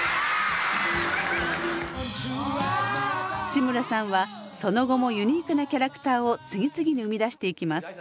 志村さんはその後もユニークなキャラクターを次々に生み出していきます。